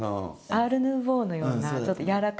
アール・ヌーヴォーのようなちょっと柔らかい形。